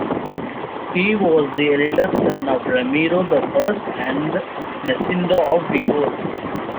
He was the eldest son of Ramiro the First and Ermesinda of Bigorre.